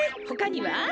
ほかには？